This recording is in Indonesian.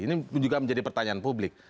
ini juga menjadi pertanyaan publik